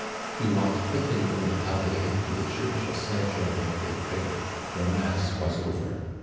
He walked quickly from the Palais to the Church of Saint Germain des Pres, where mass was over.